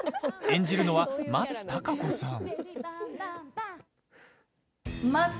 演じるのは松たか子さん。